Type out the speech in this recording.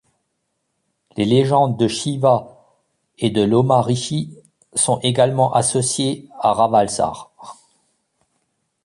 Les légendes de Shiva et de Lomas Rishi sont également associées à Rawalsar.